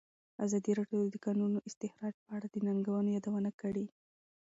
ازادي راډیو د د کانونو استخراج په اړه د ننګونو یادونه کړې.